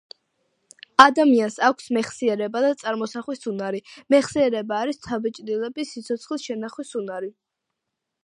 ადამიანს აქვს მეხსიერება და წარმოსახვის უნარი, მეხსიერება არის შთაბეჭდილების სიცოცხლის შენახვის უნარი.